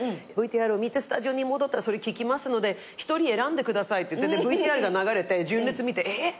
ＶＴＲを見てスタジオに戻ったらそれ聞きますので一人選んでくださいっていってＶＴＲが流れて純烈見てえっ？